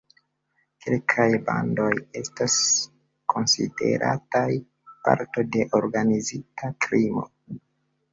Kelkaj bandoj estas konsiderataj parto de organizita krimo.